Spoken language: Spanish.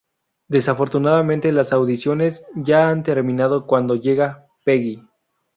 Desafortunadamente, las audiciones ya han terminado cuando llega Peggy.